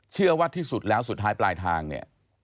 เชื่อว่าที่สุดแล้วสุดท้ายปลายทางเนี่ย